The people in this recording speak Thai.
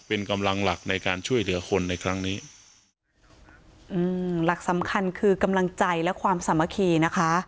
เป็นกำลังหลักในการช่วยเหลือคนในครั้งนี้อืมหลักสำคัญคือกำลังใจและความสามัคคีนะคะ